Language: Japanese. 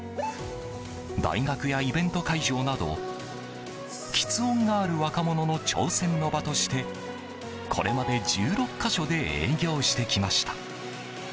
大学や、イベント会場など吃音がある若者の挑戦の場としてこれまで１６か所で営業してきました。